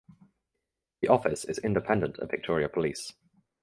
The office is independent of Victoria Police.